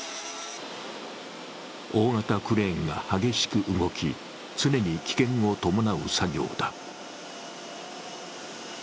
大型クレーンが激しく動き、常に危険を伴う作業だ。